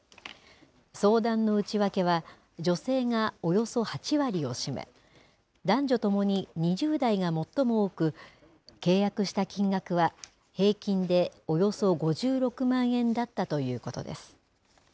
相談の内訳は、女性がおよそ８割を占め、男女ともに２０代が最も多く、契約した金額は平均でおよそ５６万円だったということです。